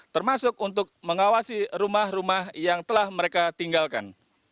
termasuk untuk mengawasi rumah rumah yang telah mereka tinggalkan